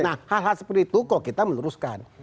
nah hal hal seperti itu kok kita meluruskan